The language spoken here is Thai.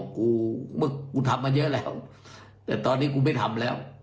กูกูทำมาเยอะแล้วแต่ตอนนี้กูไม่ทำแล้ว